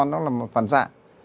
nó là một phần dạ